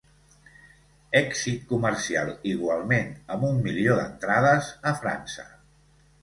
Èxit comercial igualment amb un milió d'entrades a França.